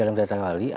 ada berita seperti itu